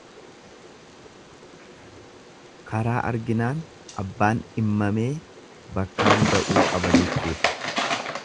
Karaa arginaan abbaan dhimmamee bakkaan ga'uu qaba jechuudha.